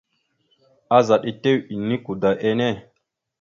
Azaɗ etew enikwada enne.